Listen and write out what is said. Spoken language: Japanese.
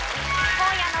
今夜の。